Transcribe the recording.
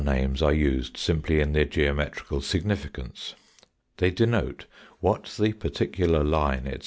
names are used simply in their geometrical significance. They denote what the particular line, etc.